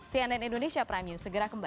cnn indonesia prime news segera kembali